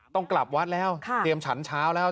ต้องกลับวัดแล้วเตรียมฉันเช้าแล้ว